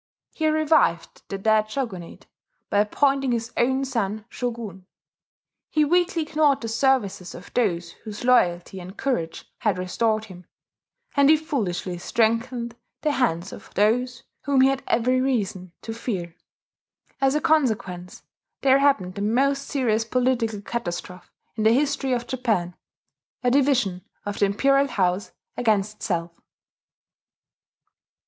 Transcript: He revived the dead shogunate by appointing his own son shogun; he weakly ignored the services of those whose loyalty and courage had restored him; and he foolishly strengthened the hands of those whom he had every reason to fear. As a consequence there happened the most serious political catastrophe in the history of Japan, a division of the imperial house against itself.